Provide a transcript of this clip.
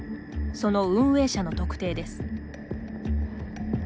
その運営者の特定です。